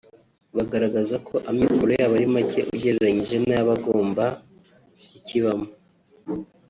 bagaragaza ko amikoro yabo ari make ugereranyije n’ay’abagomba kukibamo